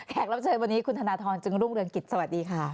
รับเชิญวันนี้คุณธนทรจึงรุ่งเรืองกิจสวัสดีค่ะ